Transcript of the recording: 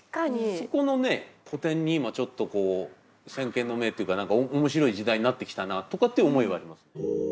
そこのね古典に今ちょっと先見の明っていうか面白い時代になってきたなとかって思いはあります。